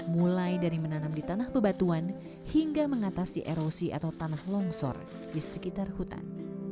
mulai dari menanam di tanah bebatuan hingga mengatasi erosi atau tanah longsor di sekitar hutan